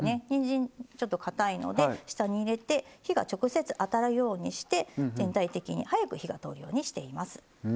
にんじんちょっとかたいので下に入れて火が直接当たるようにして全体的に早く火が通るようにしています。